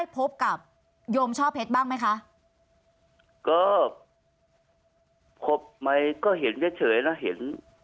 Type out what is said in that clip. พบกับโยมช่อเพชรบ้างไหมคะก็พบไหมก็เห็นเฉยเฉยแล้วเห็น